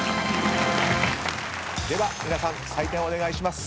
では皆さん採点をお願いします。